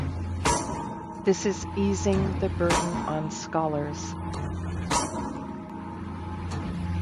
This is easing the burden on scholars.